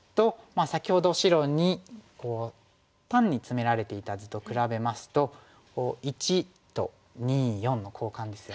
先ほど白に単にツメられていた図と比べますと①と②④の交換ですよね。